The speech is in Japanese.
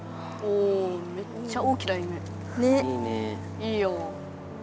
いいよ。